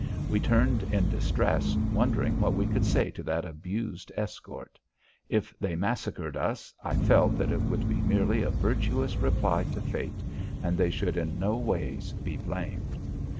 We turned in distress wondering what we could say to that abused escort. If they massacred us, I felt that it would be merely a virtuous reply to fate and they should in no ways be blamed.